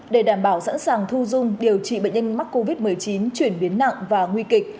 để đảm bảo sẵn sàng thu dung điều trị bệnh nhân mắc covid một mươi chín chuyển biến nặng và nguy kịch